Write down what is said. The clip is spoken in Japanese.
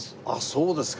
そうですか。